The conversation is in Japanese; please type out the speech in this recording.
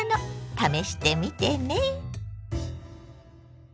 試してみてね。